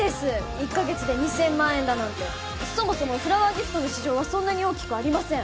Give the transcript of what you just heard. １カ月で２０００万円だなんてそもそもフラワーギフトの市場はそんなに大きくありません